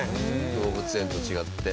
動物園と違って。